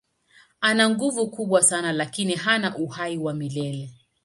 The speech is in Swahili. Ana nguvu kubwa sana lakini hana uhai wa milele.